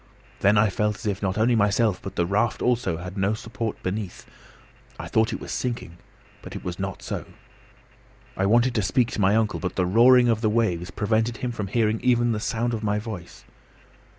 Then I felt as if not only myself but the raft also had no support beneath. I thought it was sinking; but it was not so. I wanted to speak to my uncle, but the roaring of the waves prevented him from hearing even the sound of my voice.